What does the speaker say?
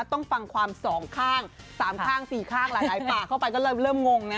ต้องฟังความสองข้าง๓ข้าง๔ข้างหลายปากเข้าไปก็เริ่มงงนะ